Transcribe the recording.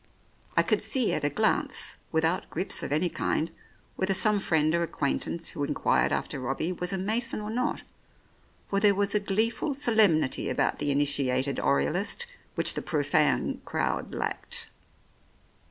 I could see at a glance, without grips of 103 The Oriolists any kind, whether some friend or acquaintance who inquired after Robbie was a mason or not, for there was a gleeful solemnity about the initiated Oriolist which the profane crowd lacked.